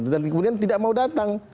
dan kemudian tidak mau datang